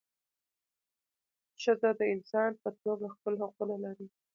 ښځه د انسان په توګه خپل حقونه لري.